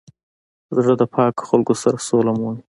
زړه د پاکو خلکو سره سوله مومي.